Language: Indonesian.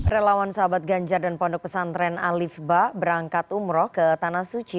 relawan sahabat ganjar dan pondok pesantren alif ba berangkat umroh ke tanah suci